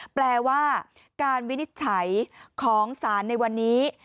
แปลว่าการวินิจฉัยของศาลในวันนี้